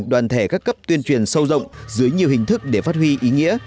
đoàn thể các cấp tuyên truyền sâu rộng dưới nhiều hình thức để phát huy ý nghĩa